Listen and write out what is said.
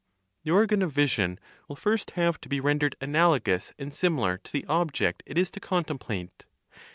The organ of vision will first have to be rendered analogous and similar to the object it is to contemplate.